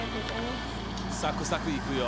サクサクいくよ。